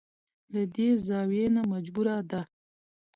له دې زاويې نه مجبوره ده.